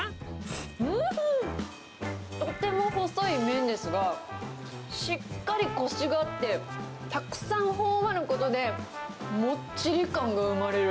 うーん、とても細い麺ですが、しっかりこしがあって、たくさんほおばることで、もっちり感が生まれる。